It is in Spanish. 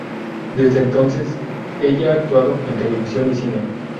Desde entonces, ella ha actuado en televisión y cine.